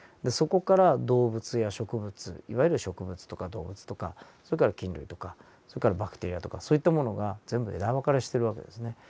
そこから動物や植物いわゆる植物とか動物とかそれから菌類とかそれからバクテリアとかそういったものが全部枝分かれしてる訳ですね。